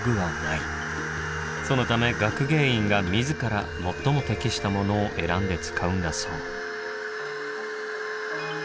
そのため学芸員が自ら最も適したものを選んで使うんだそう。